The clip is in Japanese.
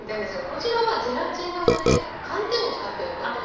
こちらはゼラチンではなくて寒天を使っていくんですね。